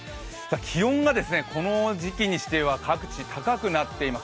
気温がこの時期にしては各地高くなっています